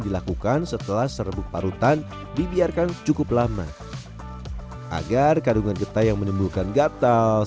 dilakukan setelah serbuk parutan dibiarkan cukup lama agar kandungan getah yang menimbulkan gatal